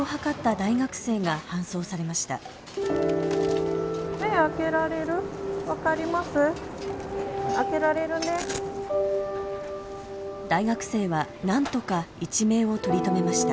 大学生はなんとか一命をとりとめました。